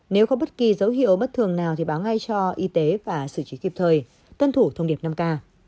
nếu có bất kỳ dấu hiệu bất thường nào thì báo ngay cho y tế và xử trí kịp thời tuân thủ thông điệp năm k